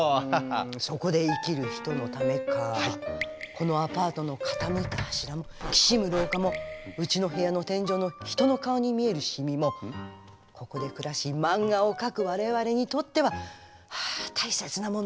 このアパートの傾いた柱もきしむ廊下もうちの部屋の天井の人の顔に見えるしみもここで暮らし漫画を描く我々にとってははあ大切なものよねえ。